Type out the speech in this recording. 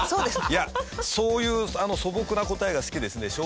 いやそういう素朴な答えが好きですね。